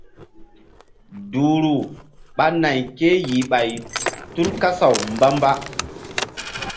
Duhru ɓa nay kéyih ɓay tul kasaw mba-mba.